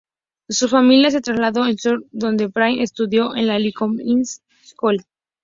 Su familia se trasladó a Seattle, donde Bray estudió en la Lincoln High School.